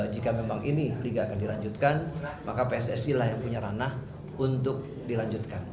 jika memang ini liga akan dilanjutkan maka pssi lah yang punya ranah untuk dilanjutkan